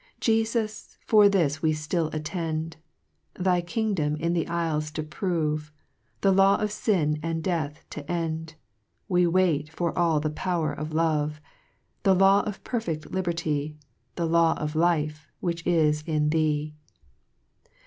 3 Jesus, for this we ftill attend, Thy kingdom in the ifles to prove, The Law of fin and death to cud, We wait for all the power of love ; The Law of perfect Liberty, The Law of Life which is in thee